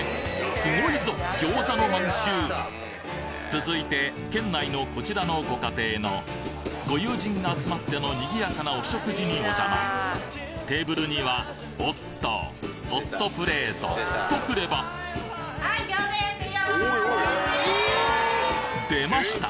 続いて県内のこちらのご家庭のご友人が集まってのにぎやかなお食事にお邪魔テーブルにはおっとホットプレートと来れば出ました！